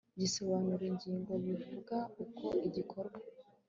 gisobanura ingiro kivuga uko igikorwa